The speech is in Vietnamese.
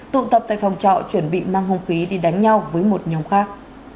tụ tập tại phòng trọ chuẩn bị mang hung khí đi đánh nhau với một nhóm khác